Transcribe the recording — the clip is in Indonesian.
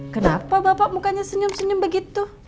kenapa bapak mukanya senyum senyum begitu